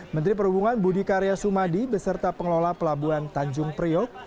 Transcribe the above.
menteri perhubungan budi karya sumadi beserta pengelola pelabuhan tanjung priok